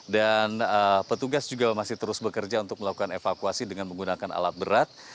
dan petugas juga masih terus bekerja untuk melakukan evakuasi dengan menggunakan alat berat